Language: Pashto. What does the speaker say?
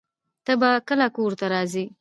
ته به کله کور ته راځې؟